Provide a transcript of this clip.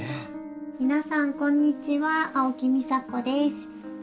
皆さんこんにちは青木美沙子です。